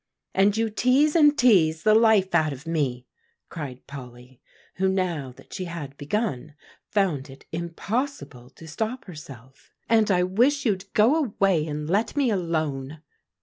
"And you tease and tease the life out of me," cried Polly, who, now that she had begun, found it impossible to stop herself; "and I wish you'd go away and let me alone."